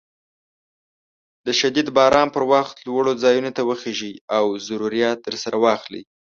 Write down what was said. د شديد باران پر وخت لوړو ځايونو ته وخېژئ او ضروريات درسره واخلئ.